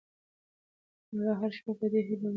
ملا هره شپه په دې هیله ویده کېږي.